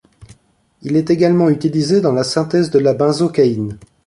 Il est également utilisé dans la synthèse de la benzocaïne.